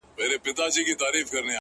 گراني فريادي دي بـېــگـــاه وويل،